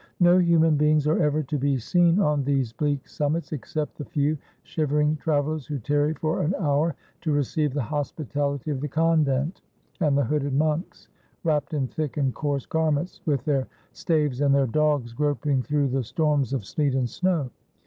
No human beings are ever to be seen on these bleak summits, except the few shivering travel ers who tarry for an hour to receive the hospitality of the convent, and the hooded monks, wrapped in thick and coarse garments, with their staves and their dogs, groping through the storms of sleet and snow.